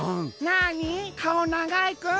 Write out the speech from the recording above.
『なに？かおながいくん』。